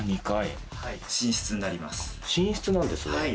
あ寝室なんですね。